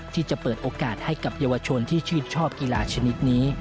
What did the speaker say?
ที่จะเปิดโอกาสให้กับเยาวชนที่ชื่นชอบกีฬาชนิดนี้